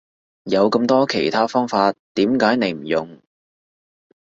有咁多其他方法點解你唔用？